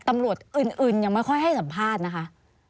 ตำรวจอื่นยังไม่ค่อยให้สัมภาษณ์นะคะ